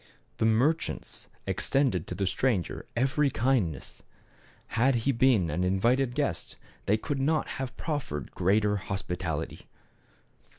The merchants extended to'the stran ger every kindness. Had he been an invited guest they could not have proffered greater hos pitality.